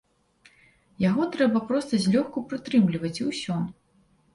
Яго трэба проста злёгку прытрымліваць і ўсё.